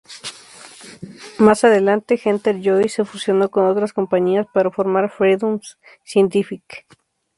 Más adelante, Henter-Joyce se fusionó con otras compañías para formar Freedom Scientific.